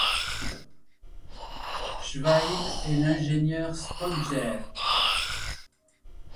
Schweym et l'ingénieur Spanger.